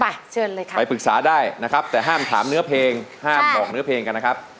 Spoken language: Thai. เชิญเลยค่ะไปปรึกษาได้นะครับแต่ห้ามถามเนื้อเพลงห้ามบอกเนื้อเพลงกันนะครับ